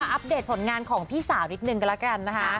อัปเดตผลงานของพี่สาวนิดนึงกันแล้วกันนะคะ